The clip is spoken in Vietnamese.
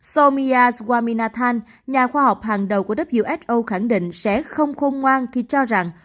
sau mia swaminathan nhà khoa học hàng đầu của who khẳng định sẽ không khôn ngoan khi cho rằng